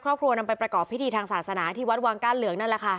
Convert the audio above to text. นำไปประกอบพิธีทางศาสนาที่วัดวังก้านเหลืองนั่นแหละค่ะ